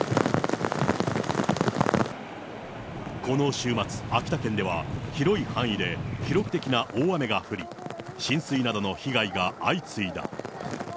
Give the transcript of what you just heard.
この週末、秋田県では広い範囲で記録的な大雨が降り、浸水などの被害が相次いだ。